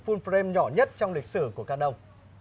full frame nhỏ nhất trong lịch sử của canon